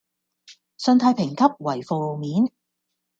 信貸評級為負面